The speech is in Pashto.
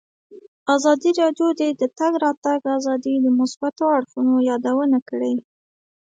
ازادي راډیو د د تګ راتګ ازادي د مثبتو اړخونو یادونه کړې.